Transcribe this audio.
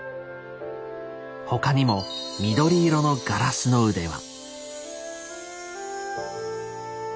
他にも緑色のガラスの腕輪。